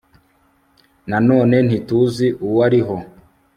na none ntituzi uwariho